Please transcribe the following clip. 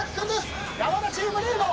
山田チームリード！